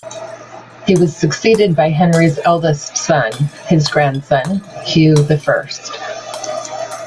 He was succeeded by Henry's eldest son, his grandson, Hugh the First.